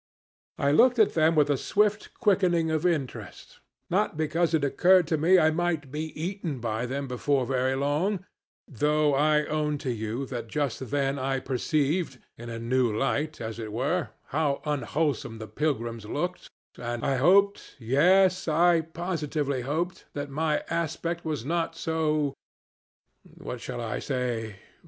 I looked at them with a swift quickening of interest not because it occurred to me I might be eaten by them before very long, though I own to you that just then I perceived in a new light, as it were how unwholesome the pilgrims looked, and I hoped, yes, I positively hoped, that my aspect was not so what shall I say?